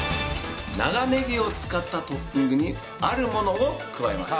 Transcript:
長ネギを使ったトッピングにあるものを加えます。